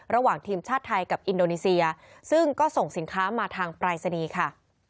ระหว่างทีมชาติไทยกับอินโดนีเซียซึ่งก็ส่งสินค้ามาทางปรายศนีย์ค่ะ